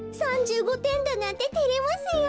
３５てんだなんててれますよ。